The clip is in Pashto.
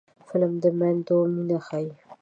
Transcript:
فلم د میندو مینه ښيي